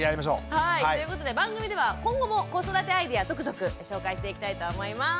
はいということで番組では今後も子育てアイデア続々ご紹介していきたいと思います。